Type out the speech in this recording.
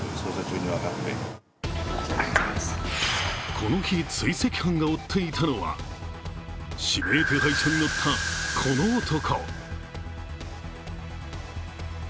この日、追跡班が追っていたのは指名手配書に載ったこの男。